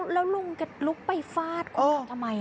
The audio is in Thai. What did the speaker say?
แล้วลุงก็ลุกไปฟาดคุณขับทำไมอ่ะ